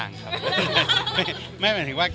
แบบดุขึ้นร้อยพร้อยยารู้อย่างไรก่อนท้องแรกค่ะ